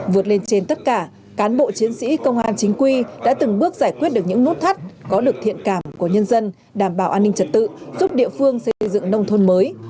vượt lên trên tất cả cán bộ chiến sĩ công an chính quy đã từng bước giải quyết được những nút thắt có được thiện cảm của nhân dân đảm bảo an ninh trật tự giúp địa phương xây dựng nông thôn mới